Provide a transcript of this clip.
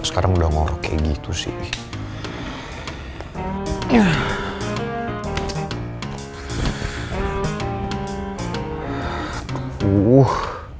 sekarang udah ngorok kayak gitu sih